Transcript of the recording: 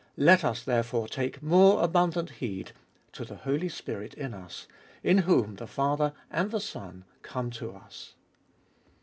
Let us, therefore, take more abundant heed to the Holy Spirit in us, in whom the Father and the Son come to us.